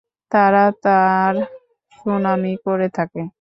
তারা তাঁর সুনামই করে থাকে।